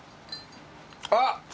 あっ！